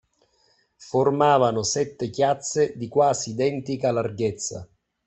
Formavano sette chiazze di quasi identica larghezza.